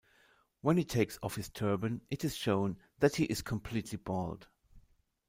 When he takes off his turban, it is shown that he is completely bald.